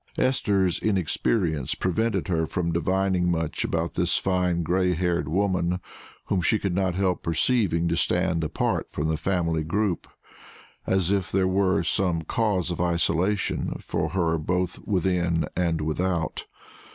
Esther's inexperience prevented her from divining much about this fine gray haired woman, whom she could not help perceiving to stand apart from the family group, as if there were some cause of isolation for her both within and without.